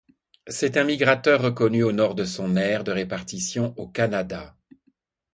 C'est un migrateur reconnu au nord de son aire de répartition, au Canada.